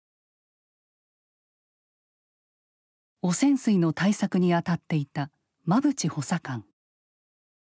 汚染水の対策にあたっていた馬淵補佐官。